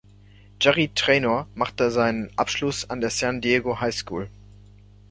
Jerry Trainor machte seinen Abschluss an der San Diego High School.